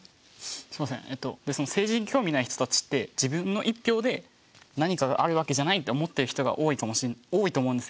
すいませんえっとその政治に興味ない人たちって自分の１票で何かがあるわけじゃないって思ってる人が多いと思うんですよ。